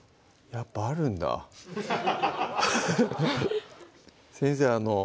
やっぱあるんだ先生